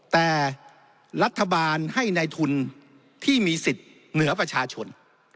แต่รัฐบาลให้ในทุนที่มีสิทธิ์เหนือประชาชน